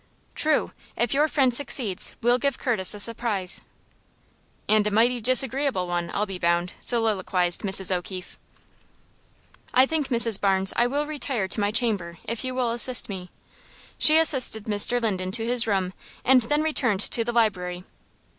"True! If your friend succeeds, we'll give Curtis a surprise." "And a mighty disagreeable one, I'll be bound," soliloquized Mrs. O'Keefe. "I think, Mrs. Barnes, I will retire to my chamber, if you will assist me." She assisted Mr. Linden to his room, and then returned to the library.